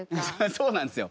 そうなんですよ。